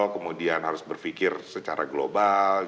kemudian harus berpikir secara global